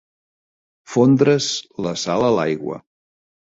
Fondre's la sal a l'aigua.